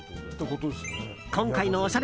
今回のおしゃれ